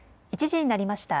１時になりました。